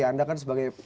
anda kan sebagai